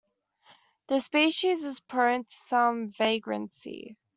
The species is prone to some vagrancy.